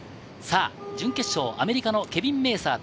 準決勝、アメリカのケビン・メーサー対